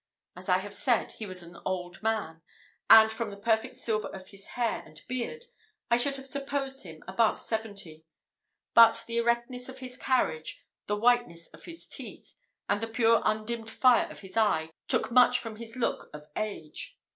As I have said, he was an old man; and, from the perfect silver of his hair and beard, I should have supposed him above seventy; but the erectness of his carriage, the whiteness of his teeth, and the pure undimmed fire of his eye, took much from his look of age.